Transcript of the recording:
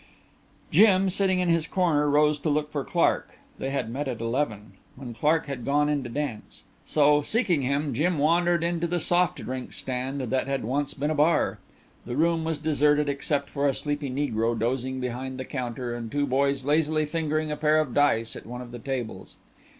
Jim, sitting in his corner, rose to look for Clark. They had met at eleven; then Clark had gone in to dance. So, seeking him, Jim wandered into the soft drink stand that had once been a bar. The room was deserted except for a sleepy negro dozing behind the counter and two boys lazily fingering a pair of dice at one of the tables.